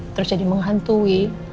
terus jadi menghantui